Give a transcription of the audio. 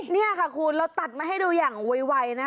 นี่ค่ะคุณเราตัดมาให้ดูอย่างไวนะ